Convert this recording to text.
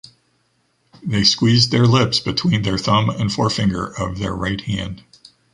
They squeezed their lips between their thumb and forefinger of their right hand.